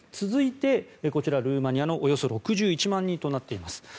続いて、こちら、ルーマニアのおよそ６１万人となっています。